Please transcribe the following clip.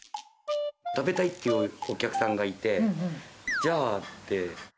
食べたいっていうお客さんがいて、じゃあって。